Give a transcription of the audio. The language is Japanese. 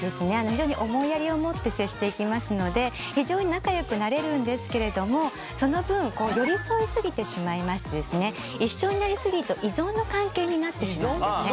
非常に思いやりを持って接していきますので非常に仲良くなれるんですけれどもその分寄り添いすぎてしまいまして一緒になりすぎると依存の関係になってしまうんですね。